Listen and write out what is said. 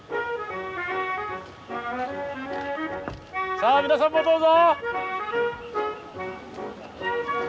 さあ皆さんもどうぞ。